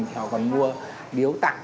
thì họ còn mua biếu tặng